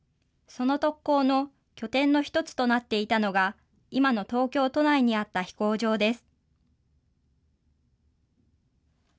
その特攻の拠点の一つとなっていたのが、今の東京都内にあった飛行場です。